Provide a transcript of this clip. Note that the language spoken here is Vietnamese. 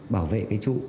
bảo vệ cái trụ